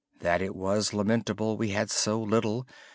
It was lamentable we had so little.